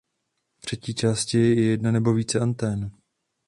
Třetí částí je jedna nebo více antén.